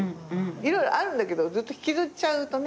色々あるんだけどずっと引きずっちゃうとね。